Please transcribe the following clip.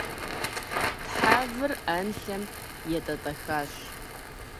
Тхьэвыр ӏэнлъэм етӏэтӏэхащ.